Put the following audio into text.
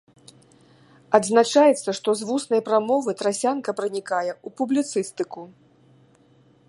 Адзначаецца, што з вуснай прамовы трасянка пранікае і ў публіцыстыку.